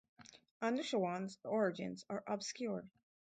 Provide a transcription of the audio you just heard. Anushirwan's origins are obscure.